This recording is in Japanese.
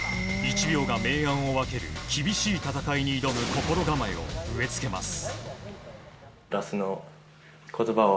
１秒が明暗を分ける厳しい戦いに挑む心構えを植え付けます。